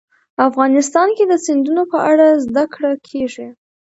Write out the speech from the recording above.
افغانستان کې د سیندونه په اړه زده کړه کېږي.